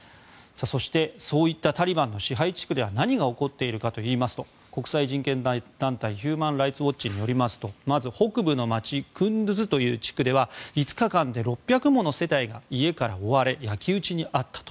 そして、そういったタリバンの支配地区では何が起こっているかといいますと国際人権団体ヒューマン・ライツ・ウォッチによりますとまず北部の町クンドゥズという地区では５日間で６００もの世帯が家から追われ焼き討ちに遭ったと。